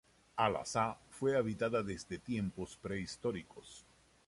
Al-Hasa fue habitada desde tiempos prehistóricos.